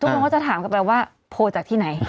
คนก็จะถามกลับไปว่าโพลจากที่ไหน